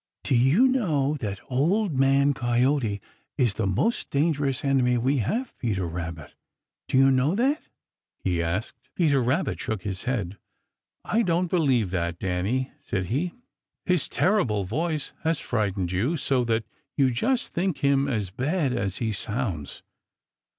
"Do you know that Old Man Coyote is the most dangerous enemy we have, Peter Rabbit? Do you know that?" he asked. Peter Rabbit shook his head. "I don't believe that, Danny," said he. "His terrible voice has frightened you so that you just think him as bad as he sounds.